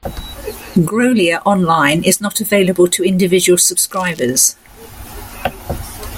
Grolier Online is not available to individual subscribers.